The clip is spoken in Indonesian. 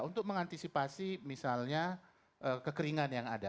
untuk mengantisipasi misalnya kekeringan yang ada